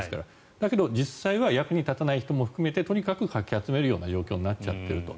だけど、実際は役に立たない人も含めてとにかくかき集める状況になってしまっていると。